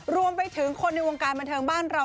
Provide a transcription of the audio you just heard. รวมไปถึงคนในวงการบันเทิงบ้านเรา